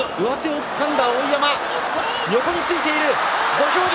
土俵際。